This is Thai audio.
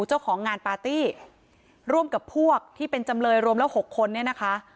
เจ้าของงานปาร์ตี้ร่วมกับพวกที่เป็นจำเลยรวมแล้ว๖คนเนี่ยนะคะ